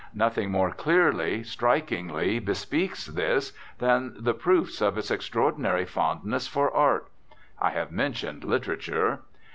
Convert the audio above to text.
Nothing more clearly, strikingly, bespeaks this than the proofs of its extraordinary fondness for art I have mentioned literature.